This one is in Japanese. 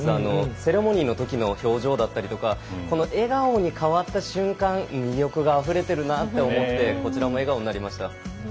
セレモニーのときの表情だったりとか笑顔に変わった瞬間魅力があふれているなと思ってこちらの笑顔になりました。